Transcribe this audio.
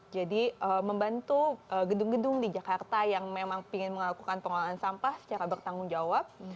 jadi membantu gedung gedung di jakarta yang memang ingin melakukan pengolahan sampah secara bertanggung jawab